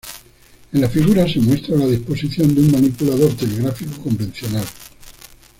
En la figura se muestra la disposición de un manipulador telegráfico convencional.